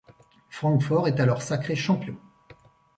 Francfort est alors sacré champion.